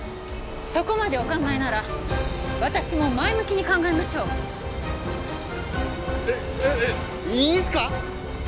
そこまでお考えなら私も前向きに考えましょうえっえっいいんすか？